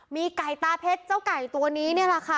มีไก่ตาเพชรเจ้าไก่ตัวนี้นี่แหละค่ะ